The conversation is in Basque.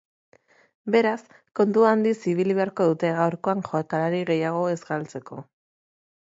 Beraz, kontu handiz ibili beharko dute gaurkoan jokalari gehiago ez galtzeko.